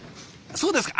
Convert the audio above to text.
「そうですか」？